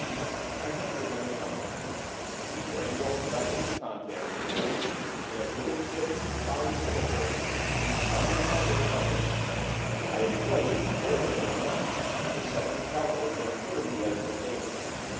I handed him his tumbler. He drained what was left of its contents, then, in a fit of tipsy, childish temper he flung the tumbler from him. I had placed carelessly enough the second pellet within a foot of the edge of the table.